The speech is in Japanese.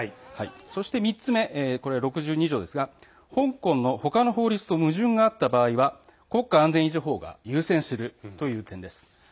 そして３つ目、６２条ですが香港のほかの法律と矛盾があった場合は国家安全維持法を優先するということです。